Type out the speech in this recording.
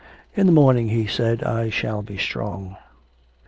'In the morning' he said, 'I shall be strong.'